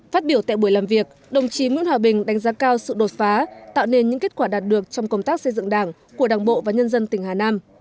phát biểu tại buổi làm việc đồng chí nguyễn hòa bình đánh giá cao sự đột phá tạo nên những kết quả đạt được trong công tác xây dựng đảng của đảng bộ và nhân dân tỉnh hà nam